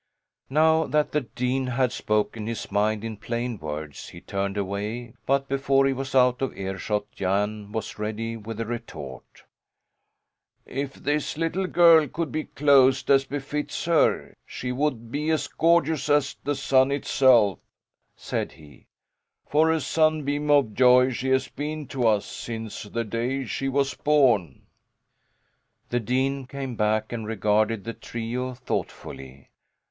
Now that the dean had spoken his mind in plain words he turned away; but before he was out of earshot Jan was ready with a retort. "If this little girl could be clothed as befits her, she would be as gorgeous as the sun itself," said he. "For a sunbeam of joy she has been to us since the day she was born." The dean came back and regarded the trio thoughtfully.